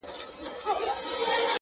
درې ملګري٫